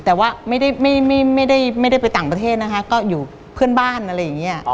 แต่ว่าไม่ได้ไปต่างประเทศนะคะก็อยู่เพื่อนบ้านอะไรอย่างนี้